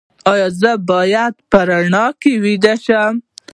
ایا زه باید په رڼا کې ویده شم؟